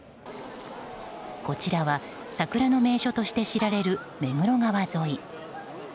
こちらは桜の名所として知られる目黒川沿い。